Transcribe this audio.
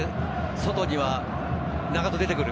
外には永戸が出てくる。